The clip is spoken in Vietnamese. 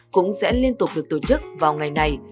cũng sẽ liên tục được tổ chức vào ngày này